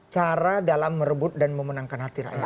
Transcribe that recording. cara dalam merebut dan memenangkan hati rakyat